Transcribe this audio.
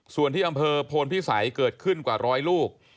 ส่วนที่อำเภอโพนพิสัยเกิดขึ้นกว่าร้อยลูก